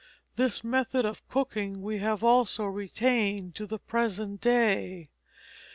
This method of cooking we have also retained to the present day.